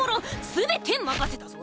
全て任せたぞ！